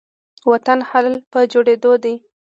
وطن حال په جوړيدو دي